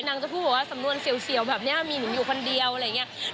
จะพูดบอกว่าสำนวนเสี่ยวแบบนี้มีหนูอยู่คนเดียวอะไรอย่างนี้